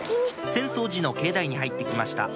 浅草寺の境内に入ってきました